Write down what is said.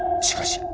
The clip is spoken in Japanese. しかし